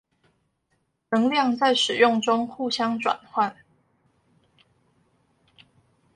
能量在使用中相互轉換